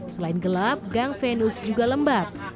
selain gelap gang venus juga lembat